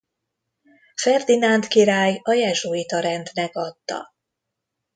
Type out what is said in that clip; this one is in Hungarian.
Ferdinánd király a jezsuita rendnek adta.